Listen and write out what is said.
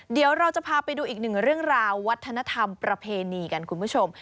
เดี๋ยวเราจะพาไปดูอีกหนึ่งเรื่องราววัฒนธรรมประเพณีกันคุณผู้ชม